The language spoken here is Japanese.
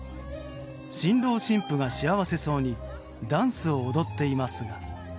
新郎新婦が幸せそうにダンスを踊っていますが。